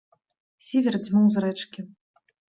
Сівер дзьмуў з рэчкі.